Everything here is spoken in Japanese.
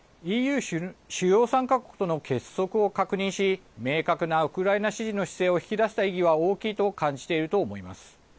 ＥＵ主要３か国との結束を確認し明確なウクライナ支持の姿勢を引き出した意義は大きいと感じていると思います。